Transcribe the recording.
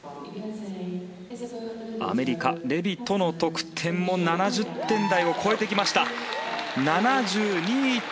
アメリカ、レビトの得点も７０点台を超えてきました。